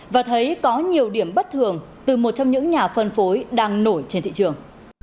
và thấy có nhiều điểm bất thường từ một trong những nhà phân phối đang nổi trên thị trường